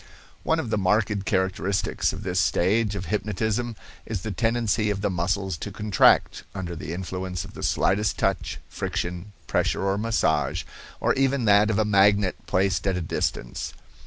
One of the marked characteristics of this stage of hypnotism is the tendency of the muscles to contract, under the influence of the slightest touch, friction, pressure or massage, or even that of a magnet placed at a distance.